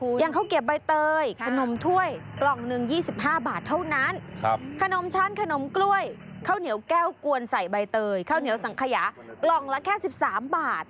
อย่างข้าวเกียบใบเตยขนมถ้วยกล่องหนึ่ง๒๕บาทเท่านั้นขนมชั้นขนมกล้วยข้าวเหนียวแก้วกวนใส่ใบเตยข้าวเหนียวสังขยากล่องละแค่๑๓บาท